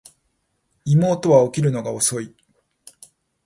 妹は起きるのが遅い